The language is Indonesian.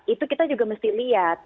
itu kita juga mesti lihat